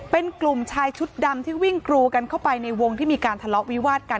เป็นกลุ่มชายชุดดำที่วิ่งกรูกันเข้าไปในวงที่มีการทะเลาะวิวาดกัน